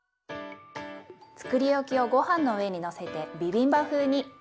つくりおきをごはんの上にのせてビビンバ風に。